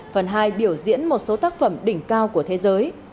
phần hai biểu diễn một số tác phẩm đỉnh cao của thế giới